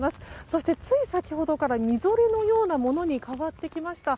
そして、つい先ほどからみぞれのようなものに変わってきました。